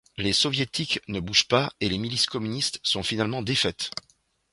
Les soviétiques ne bougent pas et les milices communistes sont finalement défaites.